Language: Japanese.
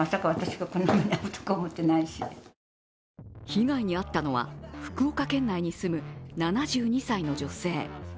被害に遭ったのは福岡県内に住む７２歳の女性。